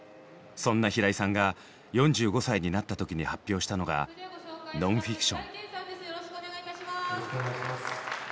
そんな平井さんが４５歳になった時に発表したのが「ノンフィクション」。